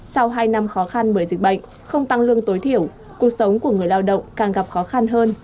sau hai năm khó khăn bởi dịch bệnh không tăng lương tối thiểu cuộc sống của người lao động càng gặp khó khăn hơn